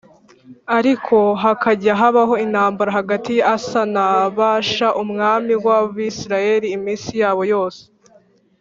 Ariko hakajya habaho intambara hagati ya Asa na Bāsha umwami w’Abisirayeli iminsi yabo yose